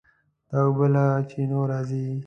دا اوبه له چینو راځي.